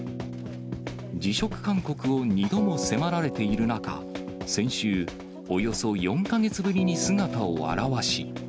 辞職勧告を２度も迫られている中、先週、およそ４か月ぶりに姿を現し。